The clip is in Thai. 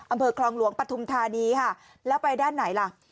อำเภอคลองหลวงปฐุมธานีค่ะแล้วไปด้านไหนล่ะ